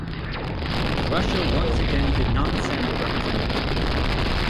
Russia once again did not send a representative.